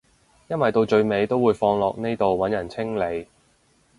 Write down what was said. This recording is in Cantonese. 因為到最尾都會放落呢度揾人清理